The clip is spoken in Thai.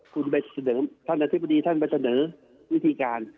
คุณไปเสนอท่านอธิบดีท่านไปเสนอวิธีการ